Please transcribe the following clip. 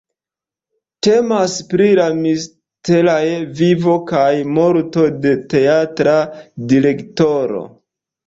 Temas pri la misteraj vivo kaj morto de teatra direktoro.